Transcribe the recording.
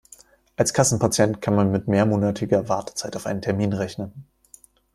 Als Kassenpatient kann man mit mehrmonatiger Wartezeit auf einen Termin rechnen.